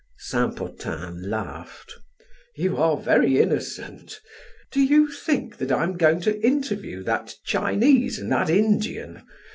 Saint Potin laughed: "You are very innocent! Do you think that I am going to interview that Chinese and that Indian?